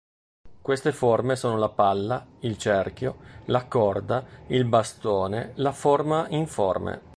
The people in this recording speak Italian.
Queste forme sono la palla, il cerchio, la corda, il bastone, la forma informe.